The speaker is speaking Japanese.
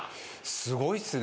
すごいっすね